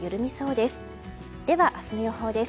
では、明日の予報です。